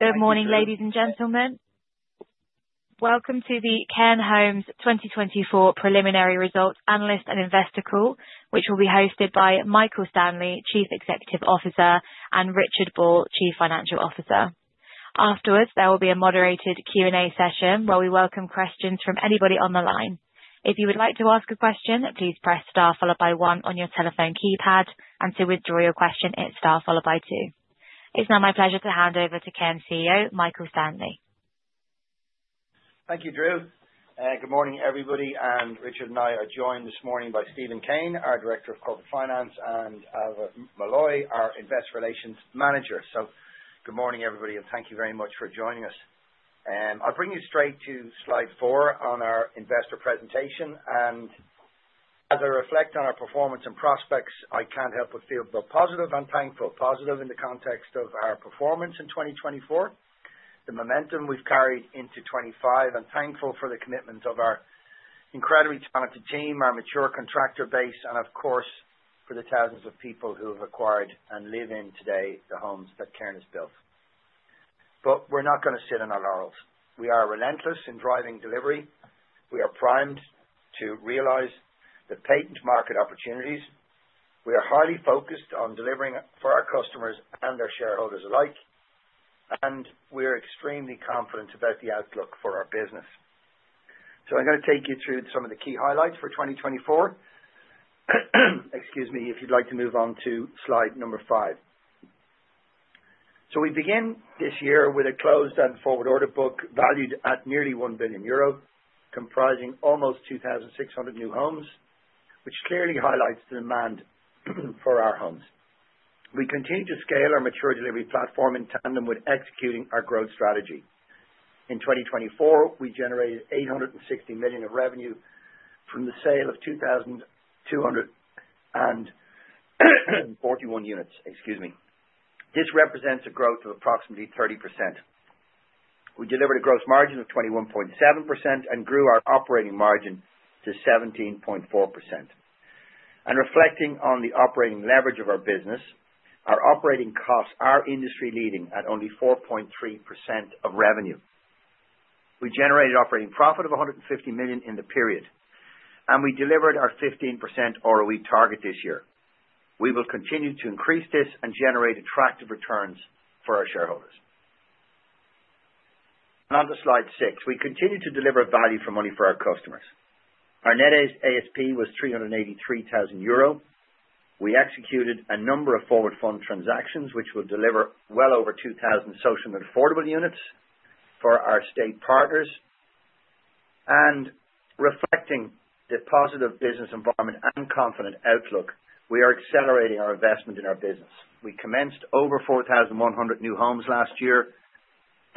Good morning, ladies and gentlemen. Welcome to the Cairn Homes 2024 preliminary results analyst and investor call, which will be hosted by Michael Stanley, Chief Executive Officer, and Richard Ball, Chief Financial Officer. Afterwards, there will be a moderated Q&A session where we welcome questions from anybody on the line. If you would like to ask a question, please press star followed by one on your telephone keypad, and to withdraw your question, hit star followed by two. It's now my pleasure to hand over to Cairn CEO, Michael Stanley. Thank you, Drew. Good morning, everybody. Richard and I are joined this morning by Stephen Kane, our Director of Corporate Finance, and Alva Mullooly, our Investor Relations Manager, so good morning, everybody, and thank you very much for joining us. I'll bring you straight to slide four on our investor presentation. As I reflect on our performance and prospects, I can't help but feel both positive and thankful. Positive in the context of our performance in 2024, the momentum we've carried into 2025, and thankful for the commitment of our incredibly talented team, our mature contractor base, and of course, for the thousands of people who have acquired and live in today the homes that Cairn has built. But we're not going to rest on our laurels. We are relentless in driving delivery. We are primed to realize the latent market opportunities. We are highly focused on delivering for our customers and their shareholders alike, and we are extremely confident about the outlook for our business, so I'm going to take you through some of the key highlights for 2024. Excuse me if you'd like to move on to slide number five. So we begin this year with a closed and forward order book valued at nearly €1 billion, comprising almost 2,600 new homes, which clearly highlights the demand for our homes. We continue to scale our mature delivery platform in tandem with executing our growth strategy. In 2024, we generated €860 million of revenue from the sale of 2,241 units. This represents a growth of approximately 30%. We delivered a gross margin of 21.7% and grew our operating margin to 17.4%, and reflecting on the operating leverage of our business, our operating costs are industry-leading at only 4.3% of revenue. We generated operating profit of €150 million in the period, and we delivered our 15% ROE target this year. We will continue to increase this and generate attractive returns for our shareholders. Onto slide six. We continue to deliver value for money for our customers. Our net ASP was €383,000. We executed a number of forward fund transactions, which will deliver well over 2,000 social and affordable units for our state partners. And reflecting the positive business environment and confident outlook, we are accelerating our investment in our business. We commenced over 4,100 new homes last year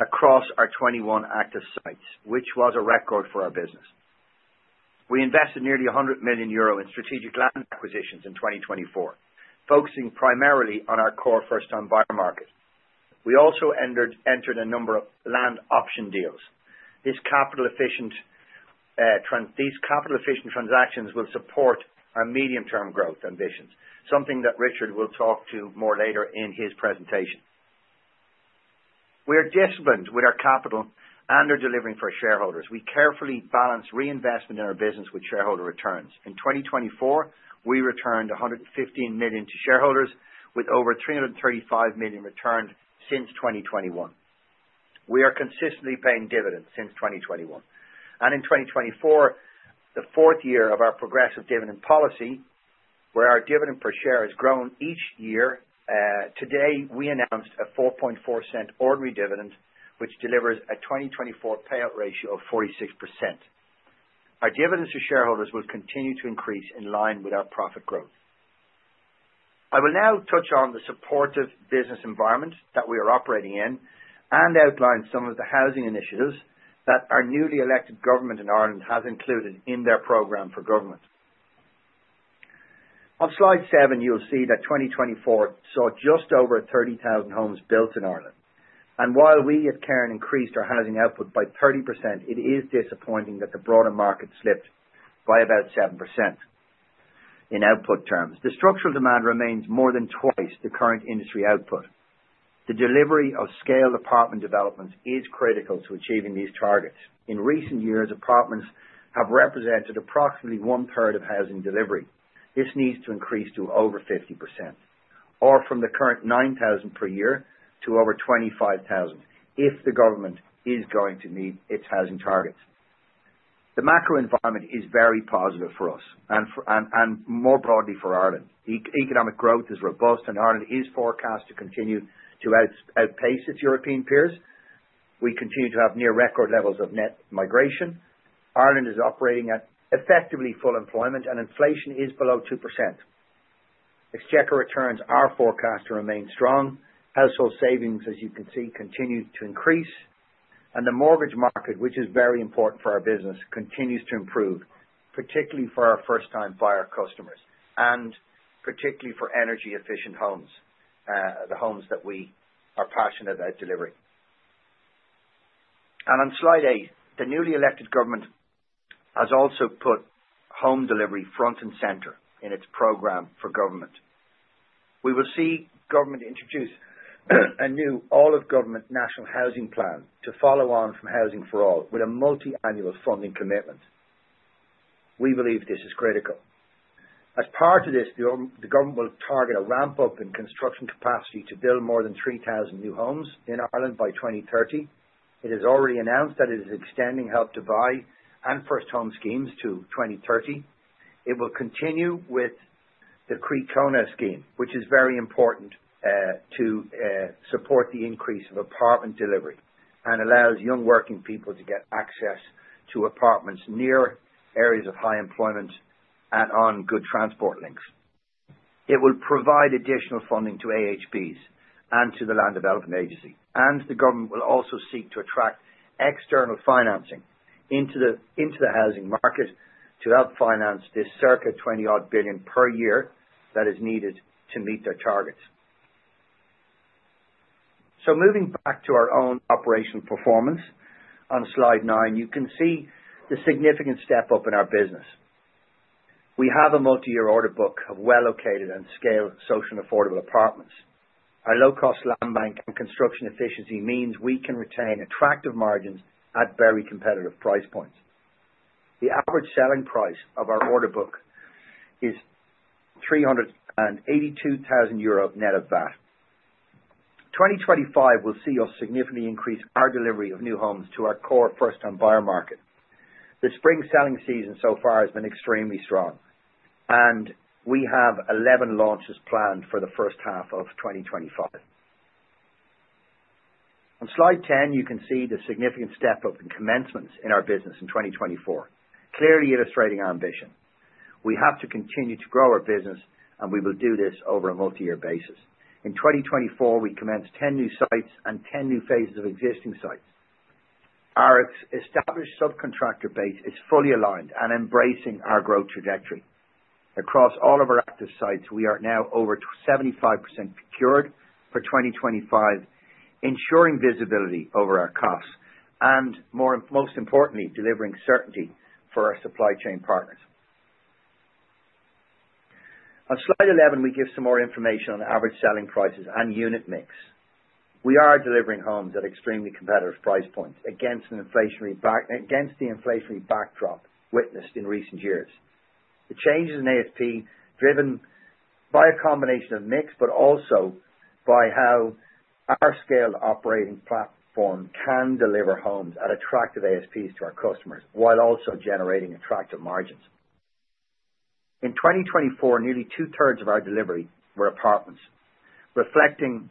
across our 21 active sites, which was a record for our business. We invested nearly €100 million in strategic land acquisitions in 2024, focusing primarily on our core first-time buyer market. We also entered a number of land option deals. These capital-efficient transactions will support our medium-term growth ambitions, something that Richard will talk to more later in his presentation. We are disciplined with our capital and our delivering for shareholders. We carefully balance reinvestment in our business with shareholder returns. In 2024, we returned 115 million to shareholders, with over 335 million returned since 2021. We are consistently paying dividends since 2021, and in 2024, the fourth year of our progressive dividend policy, where our dividend per share has grown each year, today we announced a 4.4% ordinary dividend, which delivers a 2024 payout ratio of 46%. Our dividends to shareholders will continue to increase in line with our profit growth. I will now touch on the supportive business environment that we are operating in and outline some of the housing initiatives that our newly elected government in Ireland has included in their program for government. On slide seven, you'll see that 2024 saw just over 30,000 homes built in Ireland. And while we at Cairn increased our housing output by 30%, it is disappointing that the broader market slipped by about 7%. In output terms, the structural demand remains more than twice the current industry output. The delivery of scale apartment developments is critical to achieving these targets. In recent years, apartments have represented approximately one-third of housing delivery. This needs to increase to over 50%, or from the current 9,000 per year to over 25,000 if the government is going to meet its housing targets. The macro environment is very positive for us and more broadly for Ireland. Economic growth is robust, and Ireland is forecast to continue to outpace its European peers. We continue to have near-record levels of net migration. Ireland is operating at effectively full employment, and inflation is below 2%. Exchequer returns are forecast to remain strong. Household savings, as you can see, continue to increase. And the mortgage market, which is very important for our business, continues to improve, particularly for our first-time buyer customers and particularly for energy-efficient homes, the homes that we are passionate about delivering. And on slide eight, the newly elected government has also put home delivery front and center in its program for government. We will see government introduce a new all-of-government national housing plan to follow on from Housing for All with a multi-annual funding commitment. We believe this is critical. As part of this, the government will target a ramp-up in construction capacity to build more than 3,000 new homes in Ireland by 2030. It has already announced that it is extending Help to Buy and First Home Scheme to 2030. It will continue with the Croí Cónaithe scheme, which is very important to support the increase of apartment delivery and allows young working people to get access to apartments near areas of high employment and on good transport links. It will provide additional funding to AHBs and to the Land Development Agency. And the government will also seek to attract external financing into the housing market to help finance this circa 20-odd billion per year that is needed to meet their targets. So moving back to our own operational performance, on slide nine, you can see the significant step up in our business. We have a multi-year order book of well-located and scale social and affordable apartments. Our low-cost land bank and construction efficiency means we can retain attractive margins at very competitive price points. The average selling price of our order book is €382,000 net of VAT. 2025 will see a significant increase in our delivery of new homes to our core first-time buyer market. The spring selling season so far has been extremely strong, and we have 11 launches planned for the first half of 2025. On slide 10, you can see the significant step up in commencements in our business in 2024, clearly illustrating our ambition. We have to continue to grow our business, and we will do this over a multi-year basis. In 2024, we commenced 10 new sites and 10 new phases of existing sites. Our established subcontractor base is fully aligned and embracing our growth trajectory. Across all of our active sites, we are now over 75% procured for 2025, ensuring visibility over our costs and, most importantly, delivering certainty for our supply chain partners. On slide 11, we give some more information on average selling prices and unit mix. We are delivering homes at extremely competitive price points against the inflationary backdrop witnessed in recent years. The changes in ASP are driven by a combination of mix, but also by how our scale operating platform can deliver homes at attractive ASPs to our customers while also generating attractive margins. In 2024, nearly two-thirds of our delivery were apartments. Reflecting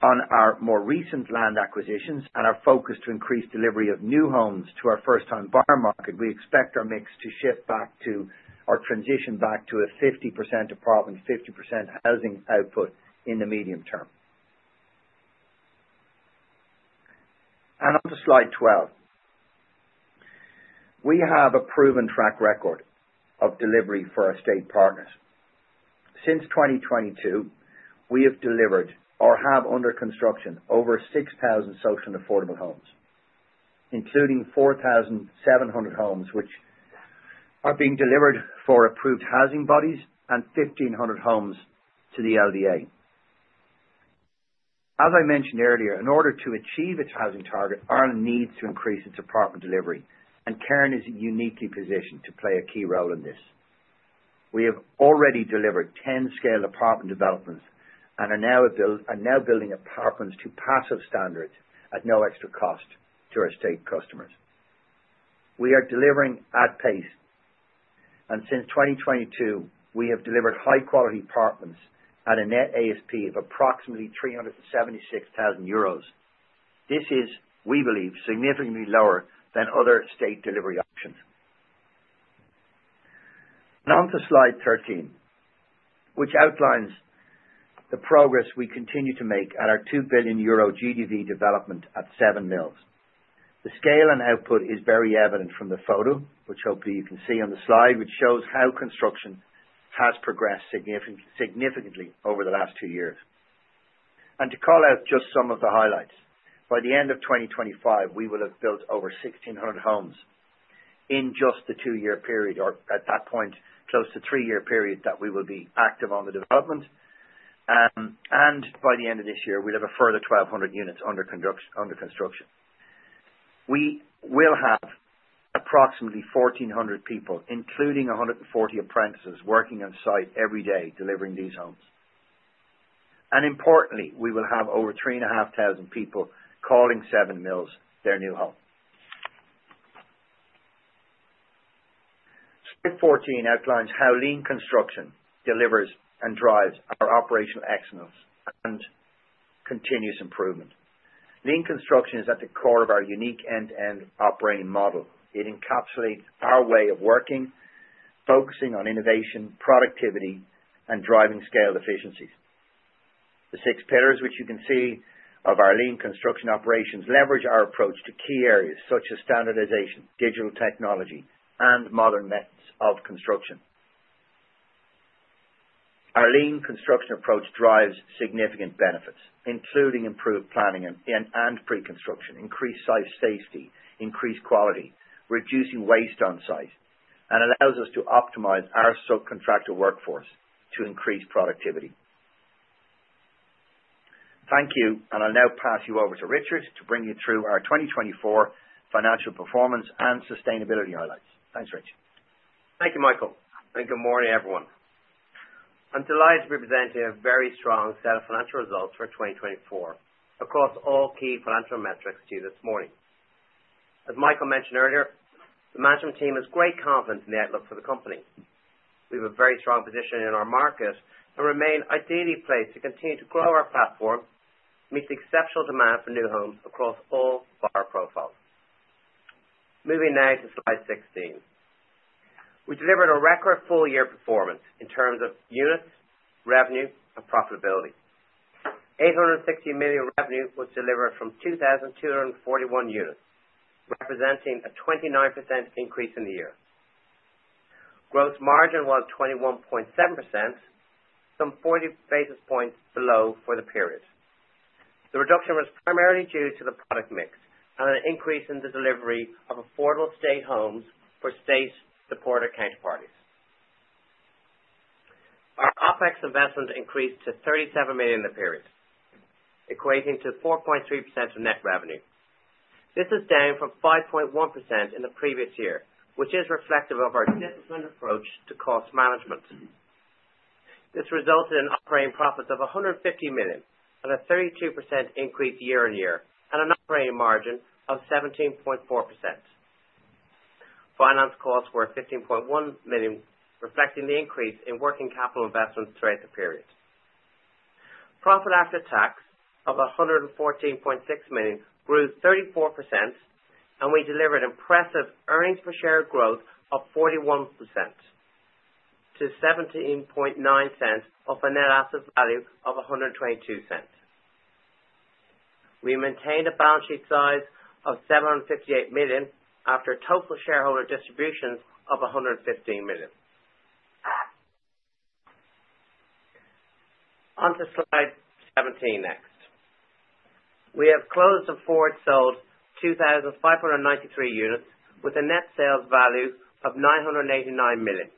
on our more recent land acquisitions and our focus to increase delivery of new homes to our first-time buyer market, we expect our mix to shift back to or transition back to a 50% apartment, 50% housing output in the medium term, and onto slide 12, we have a proven track record of delivery for our state partners. Since 2022, we have delivered or have under construction over 6,000 social and affordable homes, including 4,700 homes which are being delivered for approved housing bodies and 1,500 homes to the LDA. As I mentioned earlier, in order to achieve its housing target, Ireland needs to increase its apartment delivery, and Cairn is uniquely positioned to play a key role in this. We have already delivered 10 scale apartment developments and are now building apartments to passive standards at no extra cost to our state customers. We are delivering at pace, and since 2022, we have delivered high-quality apartments at a net ASP of approximately €376,000. This is, we believe, significantly lower than other state delivery options. Now onto slide 13, which outlines the progress we continue to make at our €2 billion GDV development at Seven Mills. The scale and output is very evident from the photo, which hopefully you can see on the slide, which shows how construction has progressed significantly over the last two years. To call out just some of the highlights, by the end of 2025, we will have built over 1,600 homes in just the two-year period, or at that point, close to three-year period that we will be active on the development. By the end of this year, we'll have a further 1,200 units under construction. We will have approximately 1,400 people, including 140 apprentices, working on site every day delivering these homes. Importantly, we will have over 3,500 people calling Seven Mills their new home. Slide 14 outlines how Lean Construction delivers and drives our operational excellence and continuous improvement. Lean Construction is at the core of our unique end-to-end operating model. It encapsulates our way of working, focusing on innovation, productivity, and driving scale efficiencies. The six pillars, which you can see of our lean construction operations, leverage our approach to key areas such as standardization, digital technology, and modern methods of construction. Our lean construction approach drives significant benefits, including improved planning and pre-construction, increased site safety, increased quality, reducing waste on site, and allows us to optimize our subcontractor workforce to increase productivity. Thank you, and I'll now pass you over to Richard to bring you through our 2024 financial performance and sustainability highlights. Thanks, Richard. Thank you, Michael. And good morning, everyone. I'm delighted to present a very strong set of financial results for 2024 across all key financial metrics to you this morning. As Michael mentioned earlier, the management team has great confidence in the outlook for the company. We have a very strong position in our market and remain ideally placed to continue to grow our platform, meet the exceptional demand for new homes across all buyer profiles. Moving now to slide 16, we delivered a record full-year performance in terms of units, revenue, and profitability. 860 million revenue was delivered from 2,241 units, representing a 29% increase in the year. Gross margin was 21.7%, some 40 basis points below for the period. The reduction was primarily due to the product mix and an increase in the delivery of affordable state homes for state-supported counterparties. Our OpEx investment increased to 37 million in the period, equating to 4.3% of net revenue. This is down from 5.1% in the previous year, which is reflective of our disciplined approach to cost management. This resulted in operating profits of €150 million and a 32% increase year-on-year and an operating margin of 17.4%. Finance costs were €15.1 million, reflecting the increase in working capital investment throughout the period. Profit after tax of €114.6 million grew 34%, and we delivered impressive earnings per share growth of 41% to 17.9% of a net asset value of 122%. We maintained a balance sheet size of €758 million after total shareholder distributions of €115 million. Onto slide 17 next. We have closed and forward-sold 2,593 units with a net sales value of €989 million,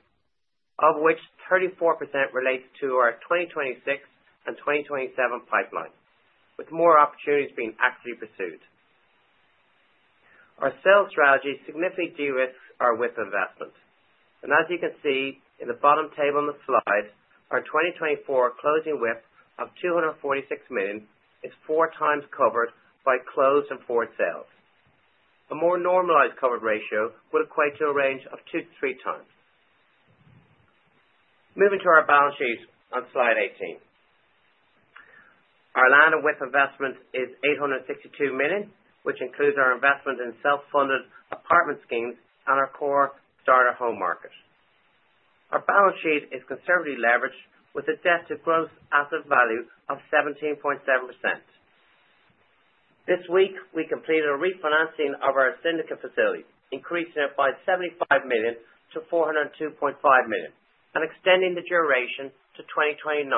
of which 34% relates to our 2026 and 2027 pipeline, with more opportunities being actively pursued. Our sales strategy significantly de-risked our WIP investment, and as you can see in the bottom table on the slide, our 2024 closing WIP of €246 million is four times covered by closed and forward sales. A more normalized coverage ratio would equate to a range of two to three times. Moving to our balance sheet on slide 18, our land and WIP investment is €862 million, which includes our investment in self-funded apartment schemes and our core starter home market. Our balance sheet is conservatively leveraged with a debt-to-gross asset value of 17.7%. This week, we completed a refinancing of our syndicate facility, increasing it by €75 million to €402.5 million and extending the duration to 2029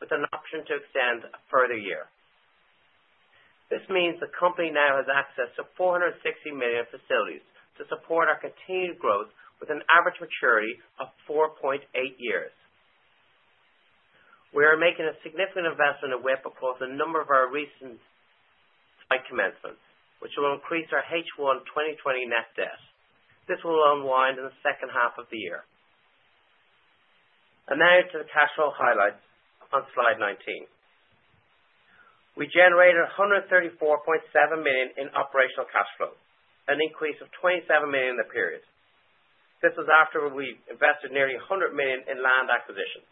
with an option to extend a further year. This means the company now has access to €460 million facilities to support our continued growth with an average maturity of 4.8 years. We are making a significant investment in WIP across a number of our recent site commencements, which will increase our H1 2020 net debt. This will unwind in the second half of the year. Now to the cash flow highlights on slide 19. We generated 134.7 million in operational cash flow, an increase of 27 million in the period. This was after we invested nearly 100 million in land acquisitions.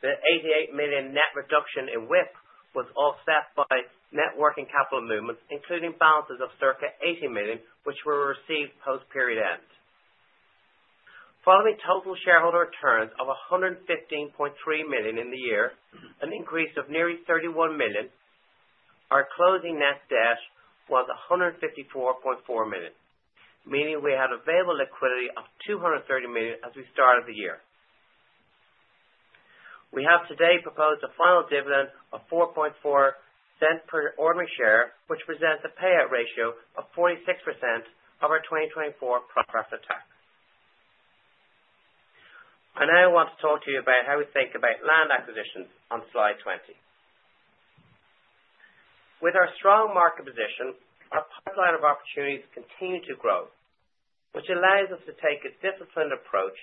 The 88 million net reduction in WIP was offset by net working capital movements, including balances of circa 80 million, which were received post-period end. Following total shareholder returns of 115.3 million in the year, an increase of nearly 31 million, our closing net debt was 154.4 million, meaning we had available liquidity of 230 million as we started the year. We have today proposed a final dividend of 4.4% per ordinary share, which presents a payout ratio of 46% of our 2024 profit after tax. Now I want to talk to you about how we think about land acquisitions on slide 20. With our strong market position, our pipeline of opportunities continues to grow, which allows us to take a disciplined approach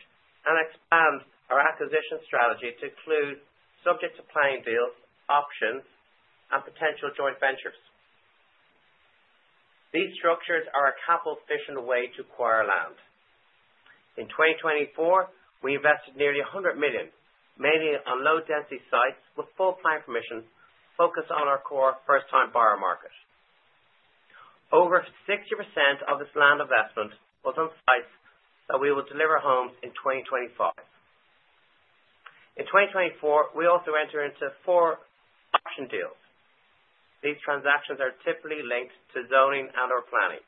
and expand our acquisition strategy to include subject-to-planning deals, options, and potential joint ventures. These structures are a capital-efficient way to acquire land. In 2024, we invested nearly €100 million, mainly on low-density sites with full plan permission focused on our core first-time buyer market. Over 60% of this land investment was on sites that we will deliver homes in 2025. In 2024, we also entered into four option deals. These transactions are typically linked to zoning and/or planning.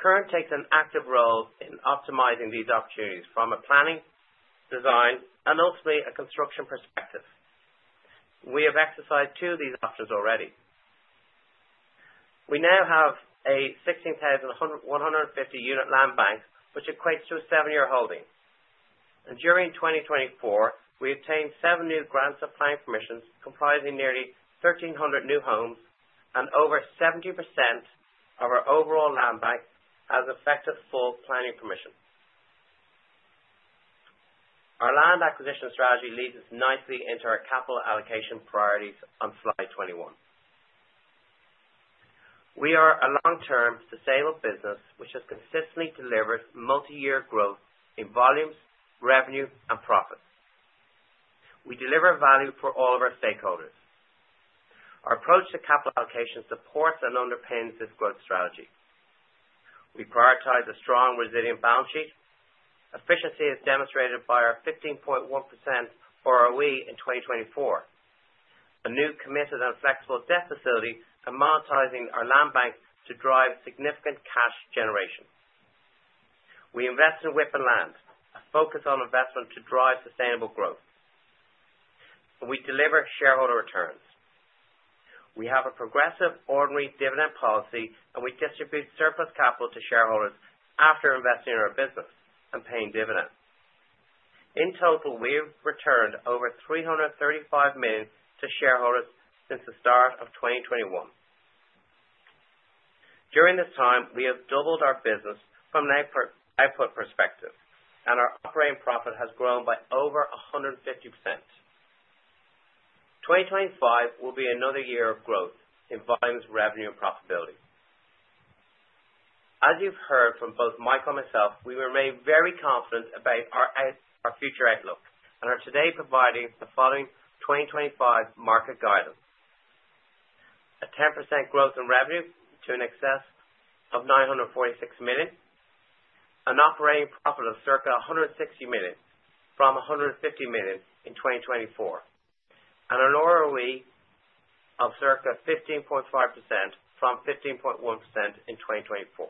Cairn takes an active role in optimizing these opportunities from a planning, design, and ultimately a construction perspective. We have exercised two of these options already. We now have a 16,150-unit land bank, which equates to a seven-year holding. During 2024, we obtained seven new grants of planning permissions, comprising nearly 1,300 new homes, and over 70% of our overall land bank has effective full planning permission. Our land acquisition strategy leads us nicely into our capital allocation priorities on slide 21. We are a long-term sustainable business, which has consistently delivered multi-year growth in volumes, revenue, and profits. We deliver value for all of our stakeholders. Our approach to capital allocation supports and underpins this growth strategy. We prioritize a strong, resilient balance sheet. Efficiency is demonstrated by our 15.1% ROE in 2024, a new committed and flexible debt facility, and monetizing our land bank to drive significant cash generation. We invest in WIP and land, a focus on investment to drive sustainable growth. We deliver shareholder returns. We have a progressive ordinary dividend policy, and we distribute surplus capital to shareholders after investing in our business and paying dividends. In total, we have returned over €335 million to shareholders since the start of 2021. During this time, we have doubled our business from an output perspective, and our operating profit has grown by over 150%. 2025 will be another year of growth in volumes, revenue, and profitability. As you've heard from both Michael and myself, we remain very confident about our future outlook and are today providing the following 2025 market guidance: a 10% growth in revenue to an excess of €946 million, an operating profit of circa €160 million from €150 million in 2024, and an ROE of circa 15.5% from 15.1% in 2024.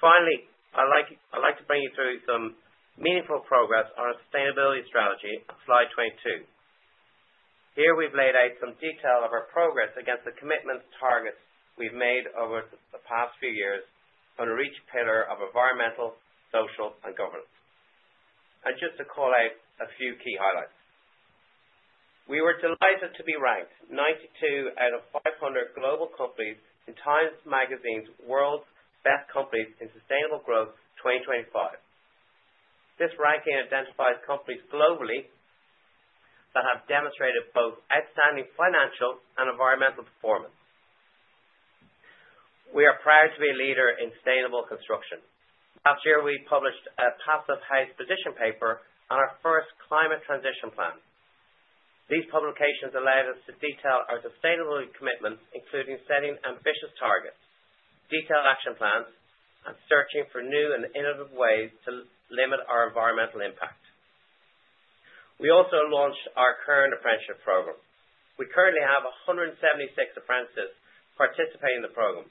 Finally, I'd like to bring you through some meaningful progress on our sustainability strategy on slide 22. Here we've laid out some detail of our progress against the commitment targets we've made over the past few years on each pillar of environmental, social, and governance, and just to call out a few key highlights, we were delighted to be ranked 92 out of 500 global companies in TIME Magazine's World's Best Companies in Sustainable Growth 2025. This ranking identifies companies globally that have demonstrated both outstanding financial and environmental performance. We are proud to be a leader in sustainable construction. Last year, we published a Passive House position paper on our first climate transition plan. These publications allowed us to detail our sustainability commitments, including setting ambitious targets, detailed action plans, and searching for new and innovative ways to limit our environmental impact. We also launched our current apprenticeship program. We currently have 176 apprentices participating in the program,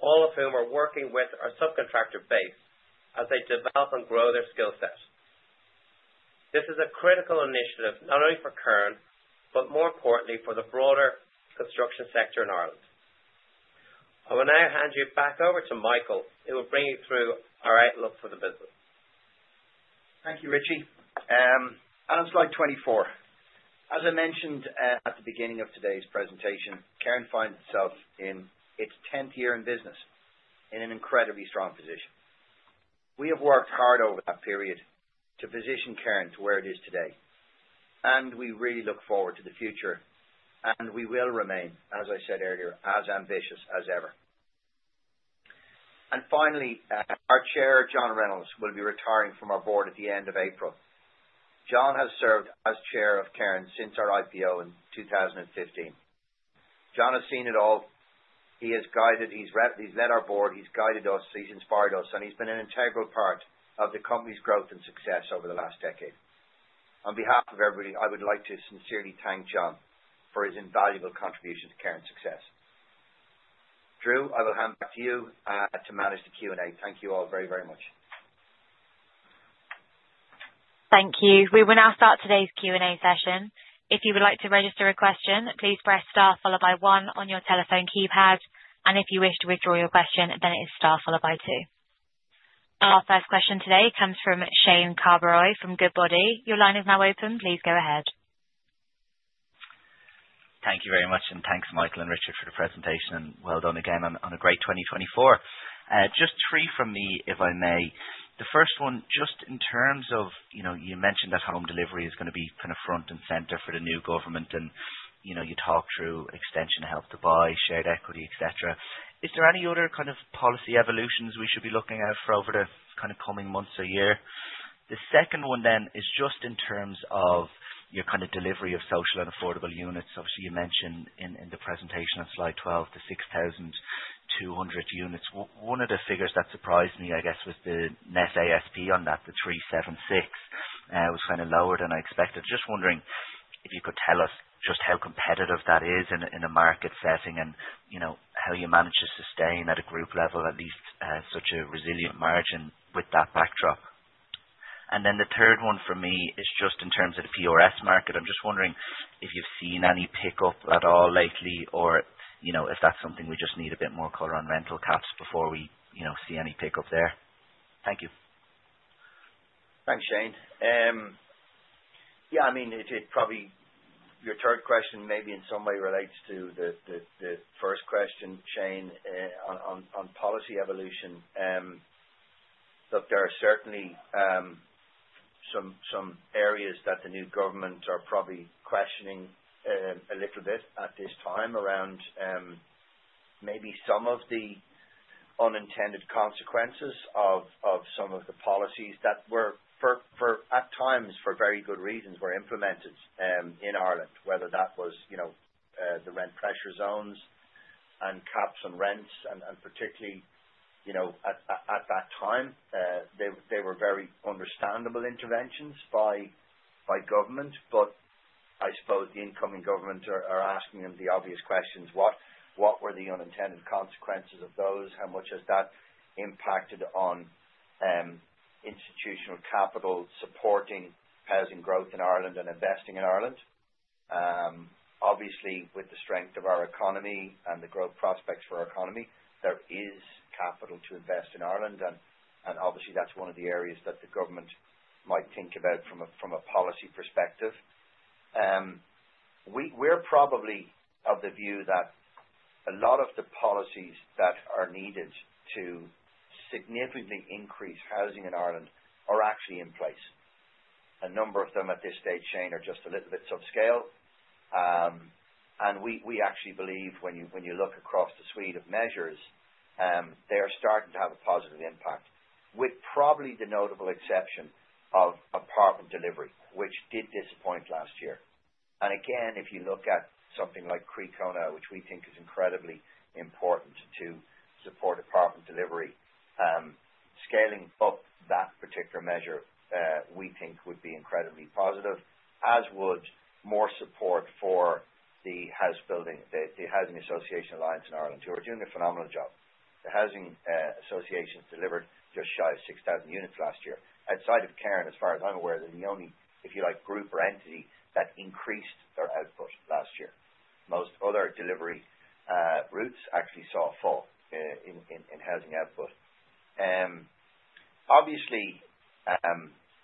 all of whom are working with our subcontractor base as they develop and grow their skill set. This is a critical initiative not only for Cairn, but more importantly, for the broader construction sector in Ireland. I will now hand you back over to Michael who will bring you through our outlook for the business. Thank you, Richie. And on slide 24, as I mentioned at the beginning of today's presentation, Cairn finds itself in its 10th year in business in an incredibly strong position. We have worked hard over that period to position Cairn to where it is today, and we really look forward to the future, and we will remain, as I said earlier, as ambitious as ever. And finally, our Chair, John Reynolds, will be retiring from our board at the end of April. John has served as chair of Cairn since our IPO in 2015. John has seen it all. He has guided, he's led our board, he's guided us, he's inspired us, and he's been an integral part of the company's growth and success over the last decade. On behalf of everybody, I would like to sincerely thank John for his invaluable contribution to Cairn's success. Drew, I will hand back to you to manage the Q&A. Thank you all very, very much. Thank you. We will now start today's Q&A session. If you would like to register a question, please press star followed by one on your telephone keypad, and if you wish to withdraw your question, then it is star followed by two. Our first question today comes from Shane Carberry from Goodbody. Your line is now open. Please go ahead. Thank you very much, and thanks, Michael and Richard, for the presentation, and well done again on a great 2024. Just three from me, if I may. The first one, just in terms of—you mentioned that home delivery is going to be kind of front and center for the new government, and you talked through extension to Help to Buy, shared equity, etc. Is there any other kind of policy evolutions we should be looking at for over the kind of coming months or year? The second one then is just in terms of your kind of delivery of social and affordable units. Obviously, you mentioned in the presentation on slide 12 the 6,200 units. One of the figures that surprised me, I guess, was the net ASP on that, the 376, was kind of lower than I expected. Just wondering if you could tell us just how competitive that is in a market setting and how you manage to sustain at a group level at least such a resilient margin with that backdrop? And then the third one for me is just in terms of the PRS market. I'm just wondering if you've seen any pickup at all lately or if that's something we just need a bit more color on rental caps before we see any pickup there? Thank you. Thanks, Shane. Yeah, I mean, it probably, your third question maybe in some way relates to the first question, Shane, on policy evolution. Look, there are certainly some areas that the new government are probably questioning a little bit at this time around maybe some of the unintended consequences of some of the policies that were, at times, for very good reasons, were implemented in Ireland, whether that was the rent pressure zones and caps on rents, and particularly at that time, they were very understandable interventions by government. But I suppose the incoming government are asking them the obvious questions: what were the unintended consequences of those? How much has that impacted on institutional capital supporting housing growth in Ireland and investing in Ireland? Obviously, with the strength of our economy and the growth prospects for our economy, there is capital to invest in Ireland, and obviously, that's one of the areas that the government might think about from a policy perspective. We're probably of the view that a lot of the policies that are needed to significantly increase housing in Ireland are actually in place. A number of them at this stage, Shane, are just a little bit subscale, and we actually believe when you look across the suite of measures, they are starting to have a positive impact, with probably the notable exception of apartment delivery, which did disappoint last year. And again, if you look at something like Croí Cónaithe, which we think is incredibly important to support apartment delivery, scaling up that particular measure we think would be incredibly positive, as would more support for the house building, the Housing Alliance in Ireland, who are doing a phenomenal job. The Housing Alliance delivered just shy of 6,000 units last year. Outside of Cairn, as far as I'm aware, they're the only, if you like, group or entity that increased their output last year. Most other delivery routes actually saw a fall in housing output. Obviously,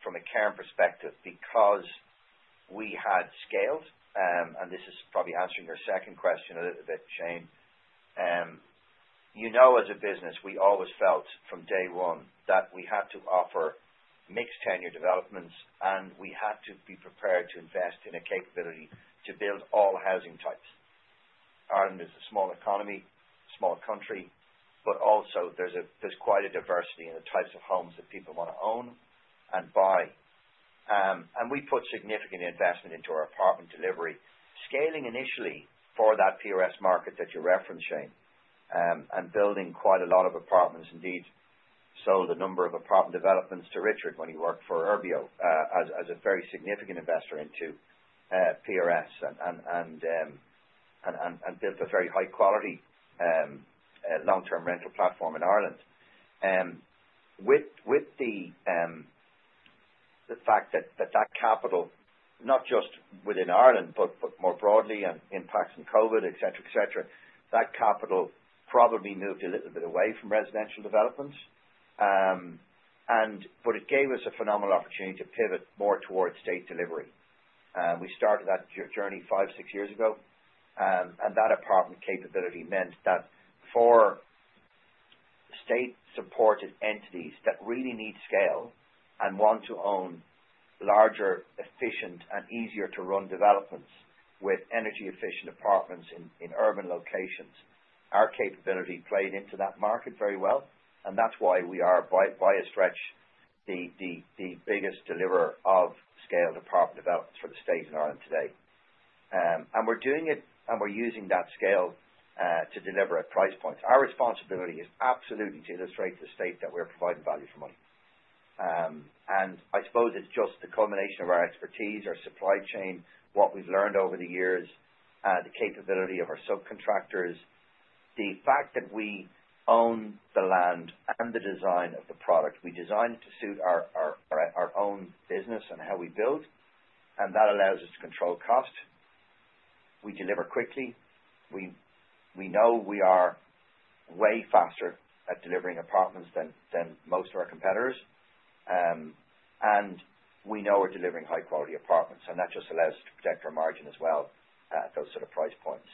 from a Cairn perspective, because we had scaled, and this is probably answering your second question a little bit, Shane, you know as a business we always felt from day one that we had to offer mixed-tenure developments, and we had to be prepared to invest in a capability to build all housing types. Ireland is a small economy, small country, but also there's quite a diversity in the types of homes that people want to own and buy. And we put significant investment into our apartment delivery, scaling initially for that POS market that you're referencing, and building quite a lot of apartments. Indeed, sold a number of apartment developments to Richard when he worked for Urbeo as a very significant investor into POS and built a very high-quality long-term rental platform in Ireland. With the fact that that capital, not just within Ireland but more broadly and impacts from COVID, etc., etc., that capital probably moved a little bit away from residential developments, but it gave us a phenomenal opportunity to pivot more towards state delivery. We started that journey five, six years ago, and that apartment capability meant that for state-supported entities that really need scale and want to own larger, efficient, and easier-to-run developments with energy-efficient apartments in urban locations, our capability played into that market very well, and that's why we are, by a stretch, the biggest deliverer of scaled apartment developments for the state in Ireland today. We're doing it, and we're using that scale to deliver at price points. Our responsibility is absolutely to illustrate to the state that we're providing value for money. I suppose it's just the culmination of our expertise, our supply chain, what we've learned over the years, the capability of our subcontractors, the fact that we own the land and the design of the product. We designed it to suit our own business and how we build, and that allows us to control cost. We deliver quickly. We know we are way faster at delivering apartments than most of our competitors, and we know we're delivering high-quality apartments, and that just allows us to protect our margin as well at those sort of price points.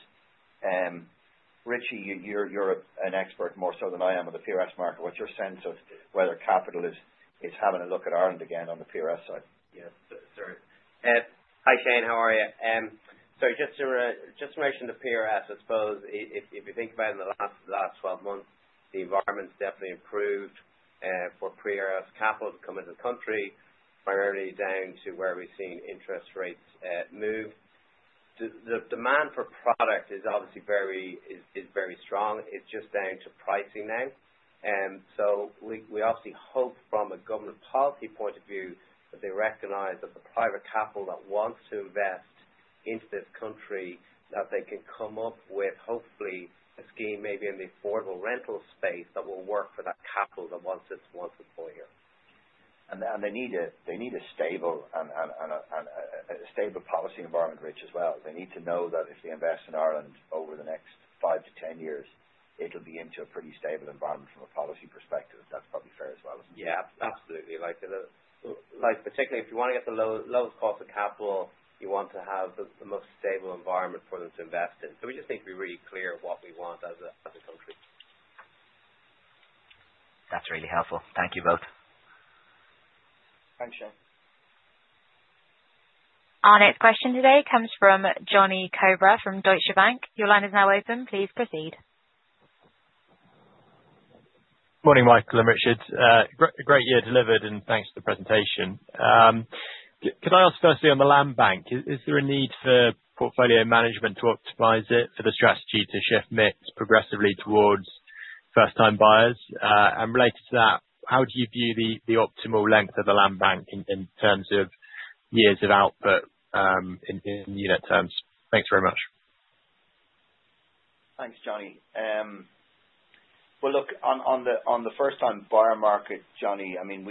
Richie, you're an expert more so than I am of the PRS market. What's your sense of whether capital is having a look at Ireland again on the POS side? Yeah. Sorry. Hi, Shane. How are you? So just to mention the POS, I suppose if you think about it in the last 12 months, the environment's definitely improved for POS capital to come into the country, primarily down to where we've seen interest rates move. The demand for product is obviously very strong. It's just down to pricing now, so we obviously hope from a government policy point of view that they recognize that the private capital that wants to invest into this country, that they can come up with hopefully a scheme maybe in the affordable rental space that will work for that capital that wants it once and for all here. And they need a stable policy environment, Rich, as well. They need to know that if they invest in Ireland over the next five to 10 years, it'll be into a pretty stable environment from a policy perspective. That's probably fair as well. Yeah. Absolutely. Particularly if you want to get the lowest cost of capital, you want to have the most stable environment for them to invest in. So we just need to be really clear what we want as a country. That's really helpful. Thank you both. Thanks, Shane. Our next question today comes from Jonny Coubrough from Deutsche Bank. Your line is now open. Please proceed. Morning, Michael and Richard. Great year delivered, and thanks for the presentation. Could I ask firstly on the land bank, is there a need for portfolio management to optimize it for the strategy to shift mix progressively towards first-time buyers? And related to that, how do you view the optimal length of the land bank in terms of years of output in unit terms? Thanks very much. Thanks, Johnny. Well, look, on the first-time buyer market, Johnny, I mean,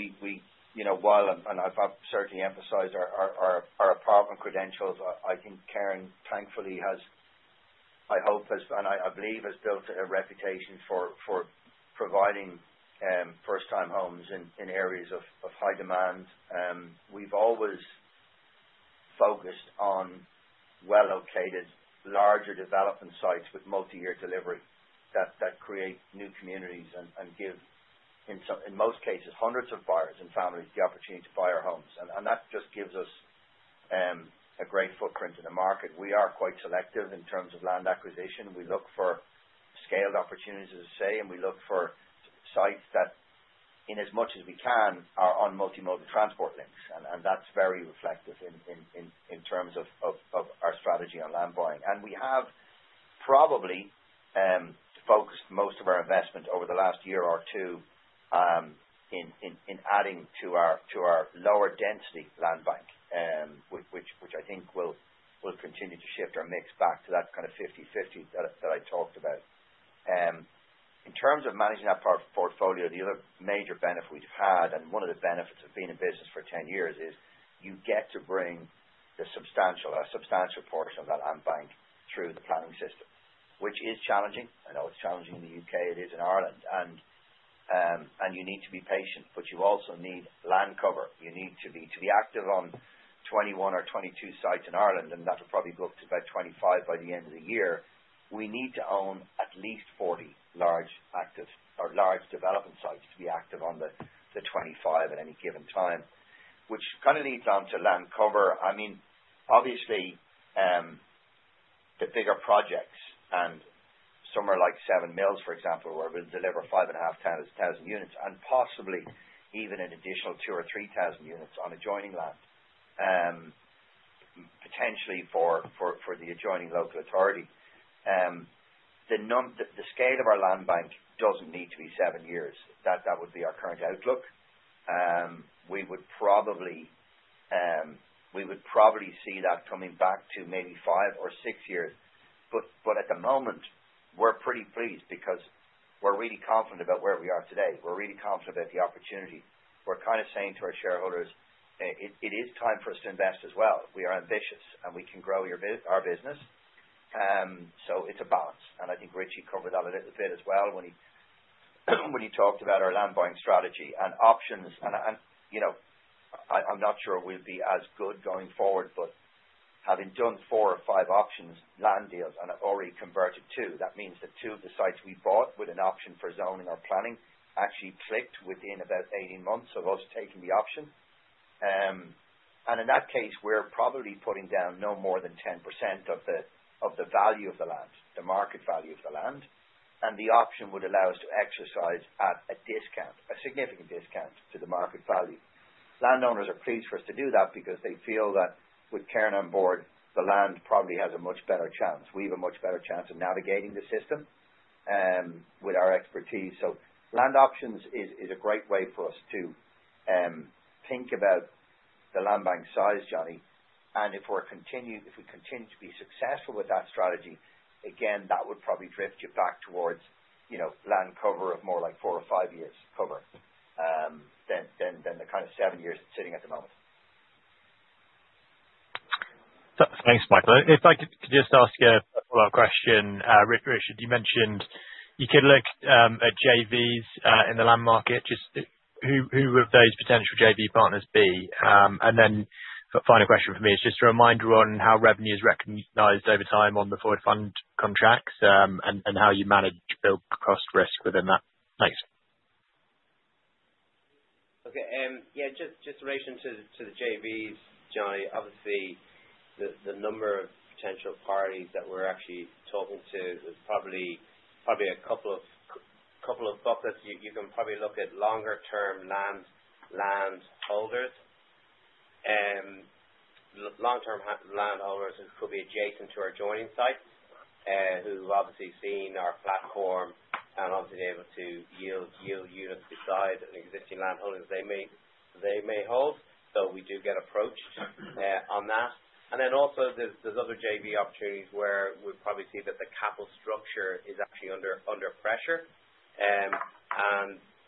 while I've certainly emphasized our apartment credentials, I think Cairn, thankfully, has - I hope has - and I believe has built a reputation for providing first-time homes in areas of high demand. We've always focused on well-located, larger development sites with multi-year delivery that create new communities and give, in most cases, hundreds of buyers and families the opportunity to buy our homes. And that just gives us a great footprint in the market. We are quite selective in terms of land acquisition. We look for scaled opportunities, as I say, and we look for sites that, inasmuch as we can, are on multimodal transport links, and that's very reflective in terms of our strategy on land buying, and we have probably focused most of our investment over the last year or two in adding to our lower-density land bank, which I think will continue to shift our mix back to that kind of 50/50 that I talked about. In terms of managing that portfolio, the other major benefit we've had, and one of the benefits of being in business for 10 years, is you get to bring a substantial portion of that land bank through the planning system, which is challenging. I know it's challenging in the U.K. It is in Ireland, and you need to be patient, but you also need land cover. You need to be active on 21 or 22 sites in Ireland, and that'll probably go up to about 25 by the end of the year. We need to own at least 40 large development sites to be active on the 25 at any given time, which kind of leads on to land cover. I mean, obviously, the bigger projects, and somewhere like Seven Mills, for example, where we'll deliver 5,500 units and possibly even an additional 2,000 or 3,000 units on adjoining land, potentially for the adjoining local authority. The scale of our land bank doesn't need to be seven years. That would be our current outlook. We would probably see that coming back to maybe five or six years, but at the moment, we're pretty pleased because we're really confident about where we are today. We're really confident about the opportunity. We're kind of saying to our shareholders, "It is time for us to invest as well. We are ambitious, and we can grow our business." So it's a balance, and I think Richie covered that a little bit as well when he talked about our land buying strategy and options. I'm not sure we'll be as good going forward, but having done four or five options land deals and already converted two, that means that two of the sites we bought with an option for zoning or planning actually clicked within about 18 months of us taking the option. In that case, we're probably putting down no more than 10% of the value of the land, the market value of the land, and the option would allow us to exercise at a discount, a significant discount to the market value. Landowners are pleased for us to do that because they feel that with Cairn on board, the land probably has a much better chance. We have a much better chance of navigating the system with our expertise. So land options is a great way for us to think about the land bank size, Johnny, and if we continue to be successful with that strategy, again, that would probably drift you back towards land cover of more like four or five years cover than the kind of seven years sitting at the moment. Thanks, Michael. If I could just ask a follow-up question. Richard, you mentioned you could look at JVs in the land market. Just who would those potential JV partners be? And then final question for me is just a reminder on how revenue is recognized over time on the forward fund contracts and how you manage build-cost risk within that. Thanks. Okay. Yeah. Just relation to the JVs, Johnny, obviously, the number of potential parties that we're actually talking to is probably a couple of buckets. You can probably look at longer-term land holders. Long-term land holders who could be adjacent to our adjoining sites who have obviously seen our platform and obviously been able to yield units beside an existing land holding that they may hold. So we do get approached on that. And then also there's other JV opportunities where we probably see that the capital structure is actually under pressure and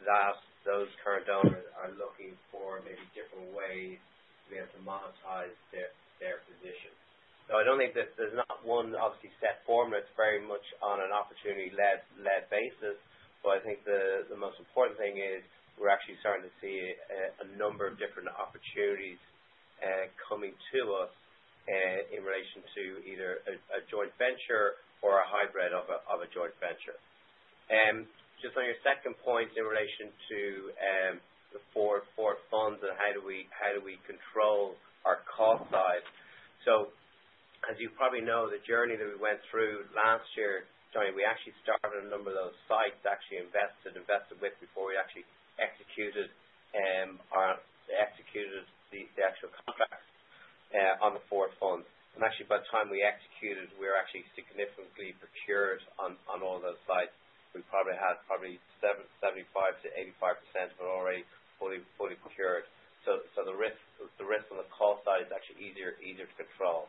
that those current owners are looking for maybe different ways to be able to monetize their position. So I don't think there's not one obviously set formula. It's very much on an opportunity-led basis, but I think the most important thing is we're actually starting to see a number of different opportunities coming to us in relation to either a joint venture or a hybrid of a joint venture. Just on your second point in relation to the forward funds and how do we control our cost side? So as you probably know, the journey that we went through last year, Johnny, we actually started a number of those sites actually invested with before we actually executed the actual contract on the forward fund. And actually, by the time we executed, we were actually significantly procured on all those sites. We probably had probably 75%-85% of it already fully procured. So the risk on the cost side is actually easier to control.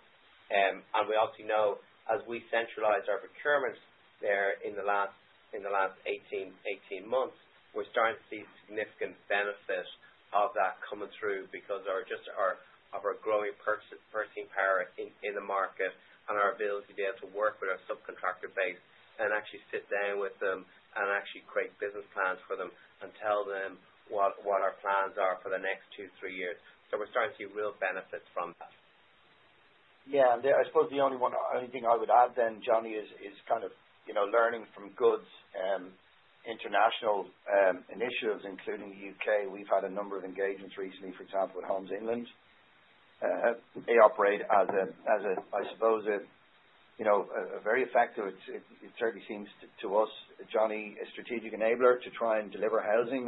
We obviously know as we centralized our procurements there in the last 18 months, we're starting to see significant benefit of that coming through because of our growing purchasing power in the market and our ability to be able to work with our subcontractor base and actually sit down with them and actually create business plans for them and tell them what our plans are for the next two, three years. So we're starting to see real benefits from that. Yeah. I suppose the only thing I would add then, Johnny, is kind of learning from good international initiatives, including the U.K. We've had a number of engagements recently, for example, with Homes England. They operate as, I suppose, a very effective, it certainly seems to us, Johnny, a strategic enabler to try and deliver housing.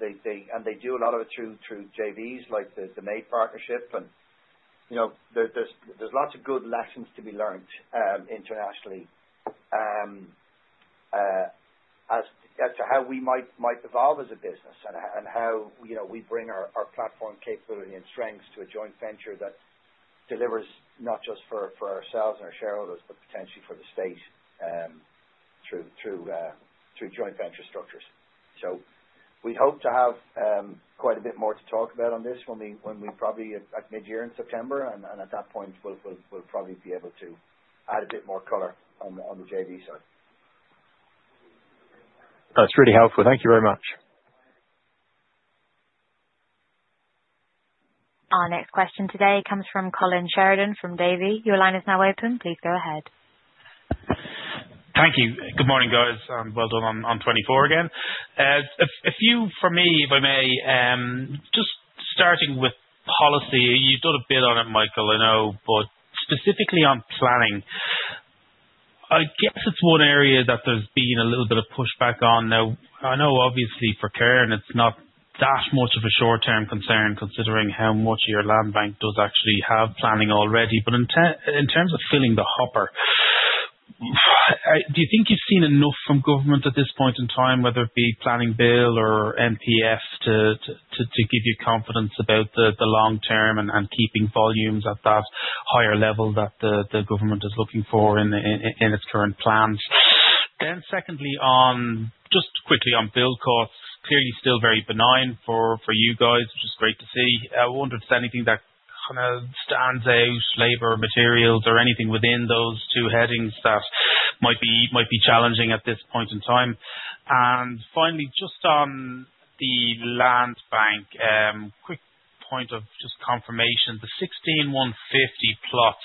They do a lot of it through JVs like the MADE partnership, and there's lots of good lessons to be learned internationally as to how we might evolve as a business and how we bring our platform capability and strengths to a joint venture that delivers not just for ourselves and our shareholders, but potentially for the state through joint venture structures. We'd hope to have quite a bit more to talk about on this when we probably, at mid-year in September, and at that point, we'll probably be able to add a bit more color on the JV side. That's really helpful. Thank you very much. Our next question today comes from Colin Sheridan from Davy. Your line is now open. Please go ahead. Thank you. Good morning, guys. Well done. I'm 24 again. A few for me, if I may. Just starting with policy, you've done a bit on it, Michael, I know, but specifically on planning, I guess it's one area that there's been a little bit of pushback on. Now, I know obviously for Cairn it's not that much of a short-term concern considering how much your land bank does actually have planning already, but in terms of filling the hopper, do you think you've seen enough from government at this point in time, whether it be planning bill or NPF, to give you confidence about the long term and keeping volumes at that higher level that the government is looking for in its current plans? Then secondly, just quickly on build costs, clearly still very benign for you guys, which is great to see. I wonder if there's anything that kind of stands out, labor, materials, or anything within those two headings that might be challenging at this point in time. And finally, just on the land bank, quick point of just confirmation, the 16,150 plot,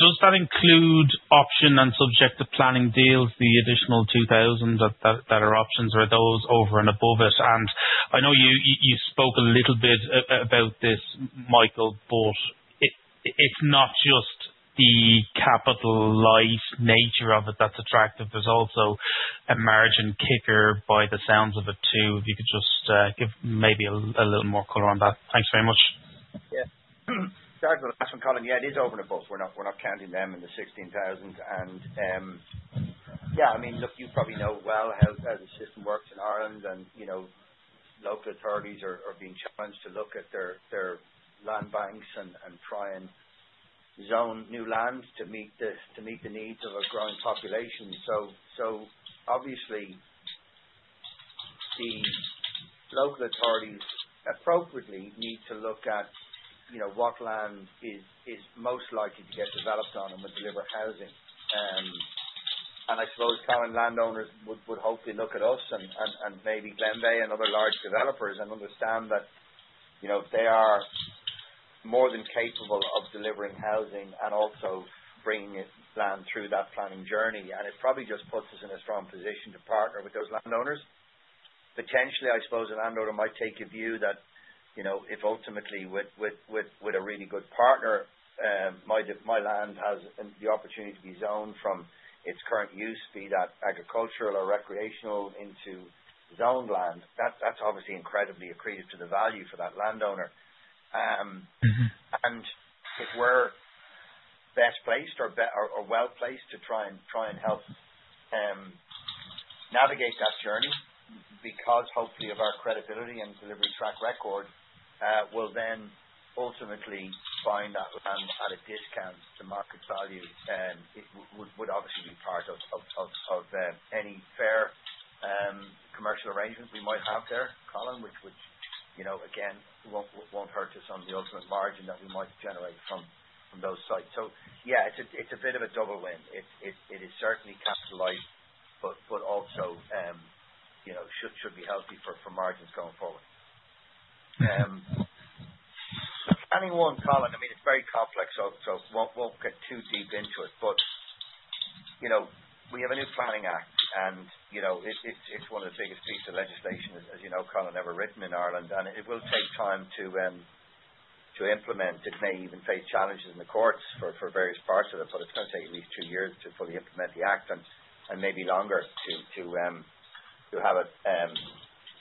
does that include option and subject to planning deals, the additional 2,000 that are options, or are those over and above it? And I know you spoke a little bit about this, Michael, but it's not just the capitalized nature of it that's attractive. There's also a margin kicker by the sounds of it too. If you could just give maybe a little more color on that. Thanks very much. Yeah. Sorry for the question, Colin. Yeah, it is over and above. We're not counting them in the 16,000. Yeah, I mean, look, you probably know well how the system works in Ireland, and local authorities are being challenged to look at their land banks and try and zone new land to meet the needs of a growing population. Obviously, the local authorities appropriately need to look at what land is most likely to get developed on and would deliver housing. I suppose current landowners would hopefully look at us and maybe Glenveagh and other large developers and understand that they are more than capable of delivering housing and also bringing land through that planning journey. It probably just puts us in a strong position to partner with those landowners. Potentially, I suppose a landowner might take a view that if ultimately with a really good partner, my land has the opportunity to be zoned from its current use, be that agricultural or recreational, into zoned land, that's obviously incredibly accretive to the value for that landowner, and if we're best placed or well placed to try and help navigate that journey because hopefully of our credibility and delivery track record, we'll then ultimately find that land at a discount to market value. It would obviously be part of any fair commercial arrangement we might have there, Colin, which again won't hurt us on the ultimate margin that we might generate from those sites, so yeah, it's a bit of a double win, it is certainly capitalized, but also should be healthy for margins going forward. So planning one, Colin, I mean, it's very complex, so we won't get too deep into it, but we have a new planning act, and it's one of the biggest pieces of legislation, as you know, Colin, ever written in Ireland, and it will take time to implement. It may even face challenges in the courts for various parts of it, but it's going to take at least two years to fully implement the act and maybe longer to have it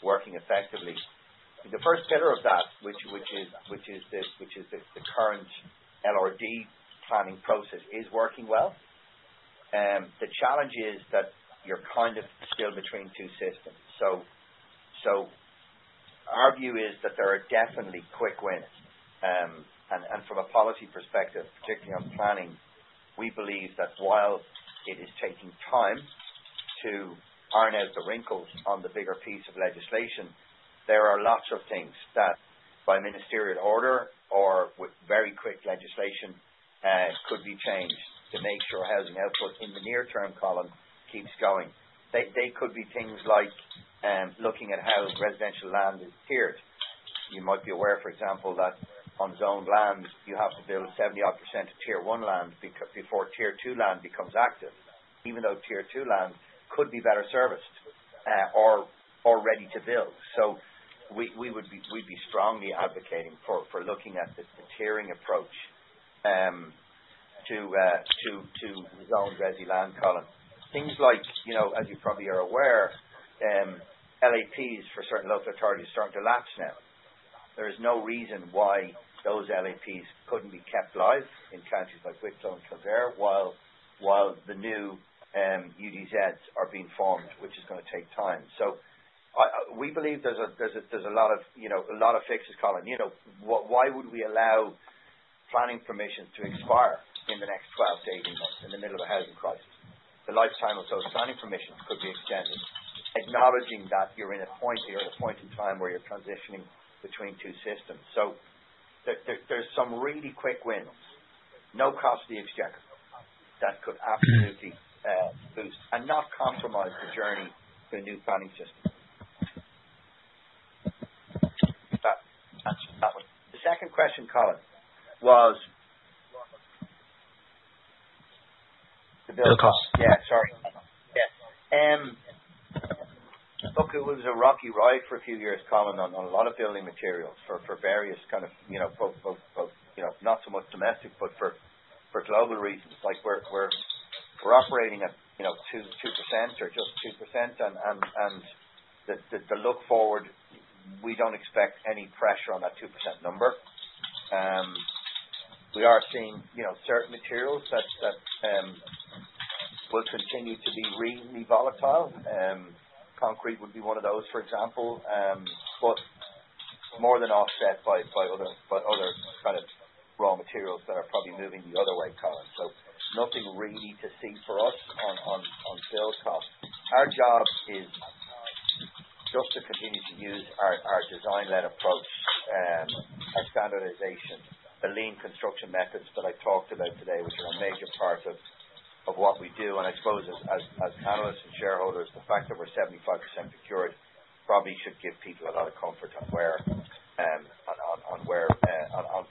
working effectively. The first pillar of that, which is the current LRD planning process, is working well. The challenge is that you're kind of still between two systems. So our view is that there are definitely quick wins. And from a policy perspective, particularly on planning, we believe that while it is taking time to iron out the wrinkles on the bigger piece of legislation, there are lots of things that by ministerial order or with very quick legislation could be changed to make sure housing output in the near term, Colin, keeps going. They could be things like looking at how residential land is tiered. You might be aware, for example, that on zoned land, you have to build 70-odd% of tier one land before tier two land becomes active, even though tier two land could be better serviced or ready to build. So we'd be strongly advocating for looking at the tiering approach to zone ready land, Colin. Things like, as you probably are aware, LAPs for certain local authorities are starting to lapse now. There is no reason why those LAPs couldn't be kept live in counties like Wicklow and Kildare while the new UDZs are being formed, which is going to take time. So we believe there's a lot of fixes, Colin. Why would we allow planning permissions to expire in the next 12-18 months in the middle of a housing crisis? The lifetime of those planning permissions could be extended, acknowledging that you're in a point in time where you're transitioning between two systems. So there's some really quick wins, no cost to the exchequer that could absolutely boost and not compromise the journey to a new planning system. That's the second question, Colin, was the build. The cost. Yeah. Sorry. Yeah. Look, it was a rocky ride for a few years, Colin, on a lot of building materials for various kinds of both not so much domestic, but for global reasons. We're operating at 2% or just 2%, and looking forward, we don't expect any pressure on that 2% number. We are seeing certain materials that will continue to be reasonably volatile. Concrete would be one of those, for example, but more than offset by other kinds of raw materials that are probably moving the other way, Colin. So nothing really to see for us on build cost. Our job is just to continue to use our design-led approach, our standardization, the lean construction methods that I talked about today, which are a major part of what we do. And I suppose as panelists and shareholders, the fact that we're 75% procured probably should give people a lot of comfort on where on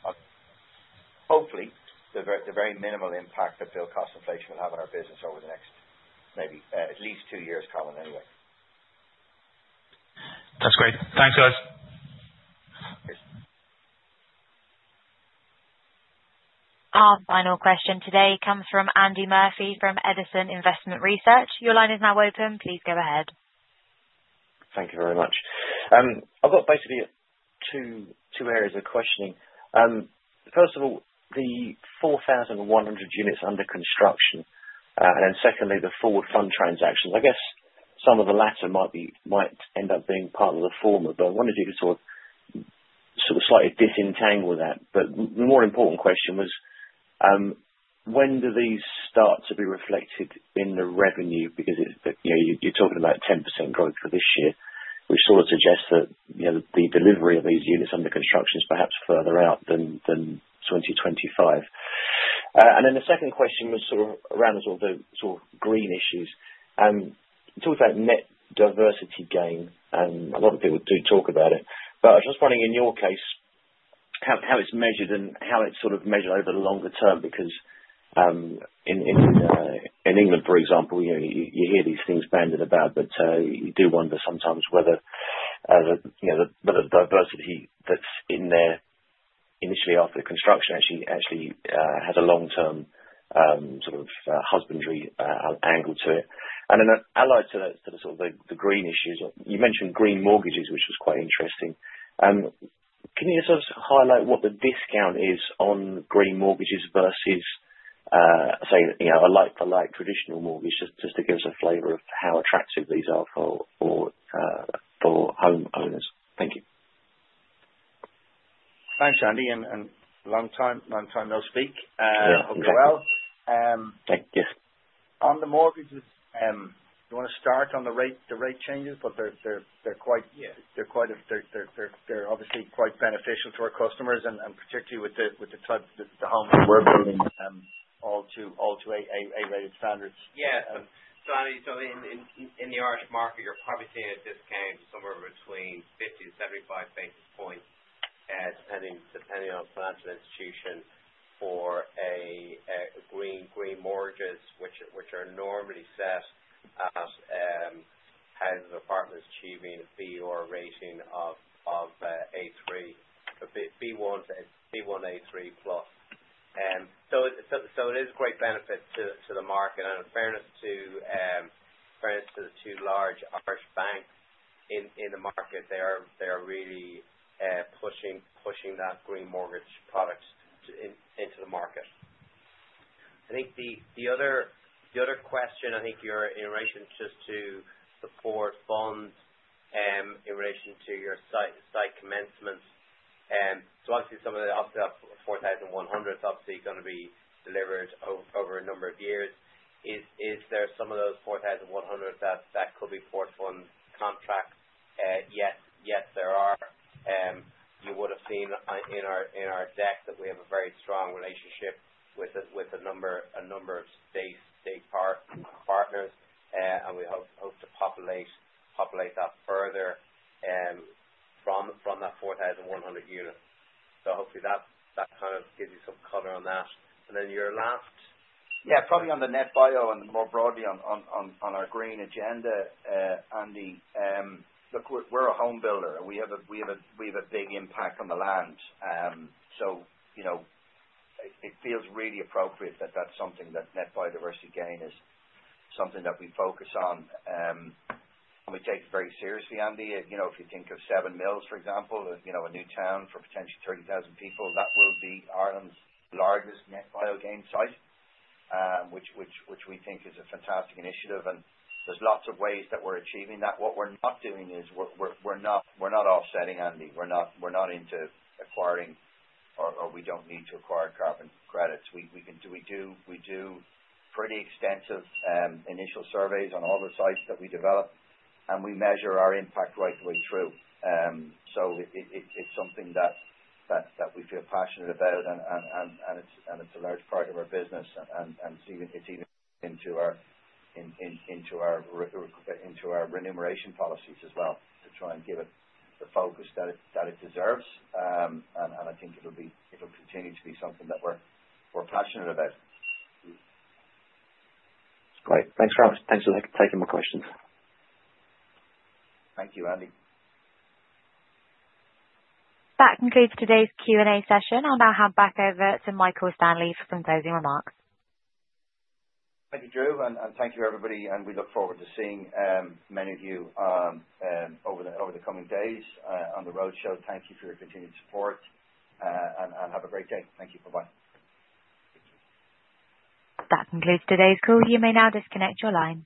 hopefully the very minimal impact that build cost inflation will have on our business over the next maybe at least two years, Colin, anyway. That's great. Thanks, guys. Our final question today comes from Andy Murphy from Edison Investment Research. Your line is now open. Please go ahead. Thank you very much. I've got basically two areas of questioning. First of all, the 4,100 units under construction, and then secondly, the forward fund transactions. I guess some of the latter might end up being part of the former, but I wanted you to sort of slightly disentangle that. But the more important question was, when do these start to be reflected in the revenue? Because you're talking about 10% growth for this year, which sort of suggests that the delivery of these units under construction is perhaps further out than 2025. And then the second question was sort of around sort of green issues. You talked about net biodiversity gain, and a lot of people do talk about it, but I was just wondering in your case how it's measured and how it's sort of measured over the longer term because in England, for example, you hear these things bandied about, but you do wonder sometimes whether the biodiversity that's in there initially after construction actually has a long-term sort of husbandry angle to it. And then allied to sort of the green issues, you mentioned green mortgages, which was quite interesting. Can you sort of highlight what the discount is on green mortgages versus, say, a like-for-like traditional mortgage, just to give us a flavor of how attractive these are for homeowners? Thank you. Thanks, Andy. And long time no speak. Hope you're well. Thank you. On the mortgages, do you want to start on the rate changes? But they're quite obviously quite beneficial to our customers, and particularly with the homeowners we're building all to A-rated standards. Yeah. So in the Irish market, you're probably seeing a discount somewhere between 50 and 75 basis points, depending on financial institution, for green mortgages, which are normally set at houses or apartments achieving a BER rating of A3, B1, A3 plus. So it is a great benefit to the market. In fairness to the two large Irish banks in the market, they are really pushing that green mortgage product into the market. I think the other question, I think in relation just to support funds in relation to your site commencements, so obviously some of the 4,100 is obviously going to be delivered over a number of years. Is there some of those 4,100 that could be forward fund contracts? Yes, there are. You would have seen in our deck that we have a very strong relationship with a number of state partners, and we hope to populate that further from that 4,100 units. So hopefully that kind of gives you some color on that. And then your last. Yeah. Probably on the net bio and more broadly on our green agenda, Andy. Look, we're a home builder, and we have a big impact on the land. It feels really appropriate that that's something that net biodiversity gain is something that we focus on. And we take it very seriously, Andy. If you think of Seven Mills, for example, a new town for potentially 30,000 people, that will be Ireland's largest net bio gain site, which we think is a fantastic initiative. And there's lots of ways that we're achieving that. What we're not doing is we're not offsetting, Andy. We're not into acquiring or we don't need to acquire carbon credits. We do pretty extensive initial surveys on all the sites that we develop, and we measure our impact right the way through. So it's something that we feel passionate about, and it's a large part of our business. And it's even into our remuneration policies as well to try and give it the focus that it deserves. And I think it'll continue to be something that we're passionate about. Great. Thanks, Rob. Thanks for taking my questions. Thank you, Andy. That concludes today's Q&A session. I'll now hand back over to Michael Stanley for some closing remarks. Thank you, Drew. And thank you, everybody. And we look forward to seeing many of you over the coming days on the roadshow. Thank you for your continued support, and have a great day. Thank you. Bye-bye. That concludes today's call. You may now disconnect your line.